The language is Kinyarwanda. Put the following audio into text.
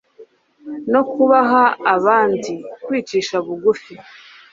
no kubaha abandi , kwicisha bugufi